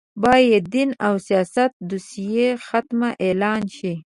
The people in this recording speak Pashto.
باید دین او سیاست دوسیه ختمه اعلان شي